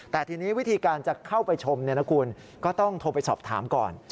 แต่ทีนี้วิธีการจะเข้าไปชมคุณก็ต้องโทรไปสอบถามก่อน